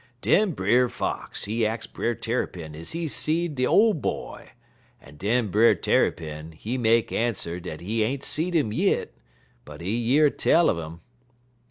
"Den Brer Fox, he ax Brer Tarrypin is he seed de Ole Boy, en den Brer Tarrypin, he make answer dat he ain't seed 'im yit, but he year tell un 'im.